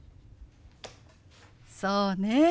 そうね。